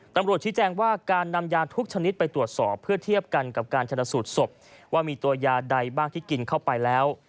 ชี้แจงว่าการนำยาทุกชนิดไปตรวจสอบเพื่อเทียบกันกับการชนสูตรศพว่ามีตัวยาใดบ้างที่กินเข้าไปแล้ว